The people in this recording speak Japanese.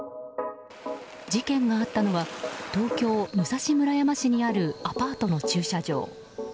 事件があったのは東京・武蔵村山市にあるアパートの駐車場。